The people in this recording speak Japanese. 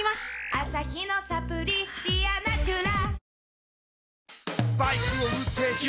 アサヒのサプリ「ディアナチュラ」